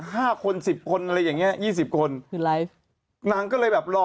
ห้าคนสิบคนอะไรอย่างเงี้ยยี่สิบคนคืออะไรนางก็เลยแบบรอ